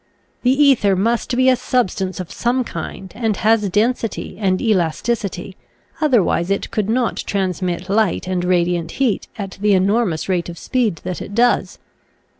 The ether must be a substance of some kind, and has density and elasticity, otherwise it could not trans mit light and radiant heat at the enor mous rate of speed that it does.